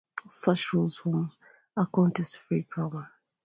Such rules form a context-free grammar.